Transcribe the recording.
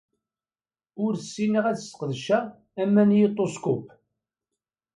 Ur ssineɣ ad ssqedceɣ amanyiṭuskup.